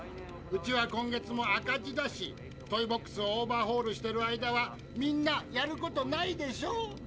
うちは今月も赤字だしトイボックスをオーバーホールしてる間はみんなやることないでしょ。